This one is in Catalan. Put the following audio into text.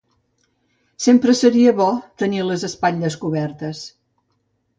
Sempre seria bo tenir les espatles cobertes.